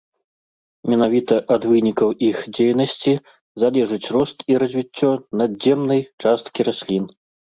Менавіта ад вынікаў іх дзейнасці залежыць рост і развіццё надземнай часткі раслін.